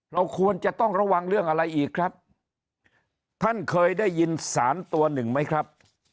เราควรจะต้องระวังเรื่องอะไรอีกครับท่านเคยได้ยินสารตัวหนึ่งไหมครับ